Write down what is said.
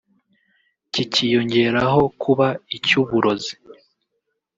cyiyongereyeho kuba icy’uburozi